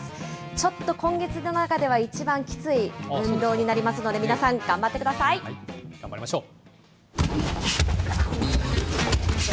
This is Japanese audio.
ちょっと今月の中では一番きつい運動になりますので、皆さん、頑頑張りましょう。